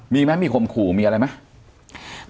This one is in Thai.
มีไหมมีข่มขู่มีอะไรไหม